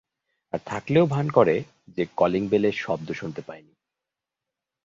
আর থাকলেও ভান করে যে, কলিং বেলের শব্দ শুনতে পায় নি।